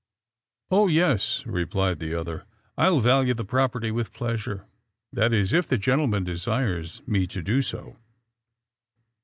"Oh, yes," replied the other, "I'll value the property with pleasure that is, if the gentleman desires me to do so."